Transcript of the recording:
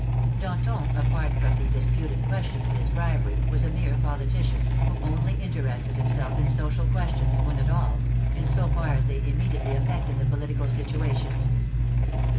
Danton, apart from the disputed question of his bribery, was a mere politician, who only interested himself in social I2e> THE FRENCH REVOLUTION questions, when at all, in so far as they immediately af fected the political situation.